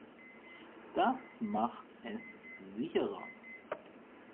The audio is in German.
Das macht es sicherer.